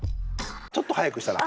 ちょっと速くしたら？